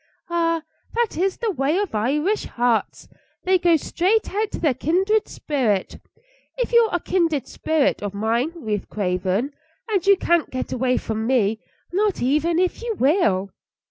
Ah! that is the way of Irish hearts. They go straight out to their kindred spirits. You are a kindred spirit of mine, Ruth Craven, and you can't get away from me, not even if you will."